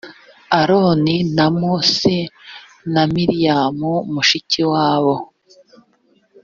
aroni na mose na miriyamu mushiki wabo